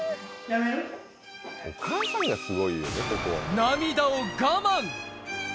涙を我慢。